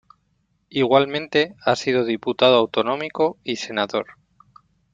Igualmente ha sido diputado autonómico y senador.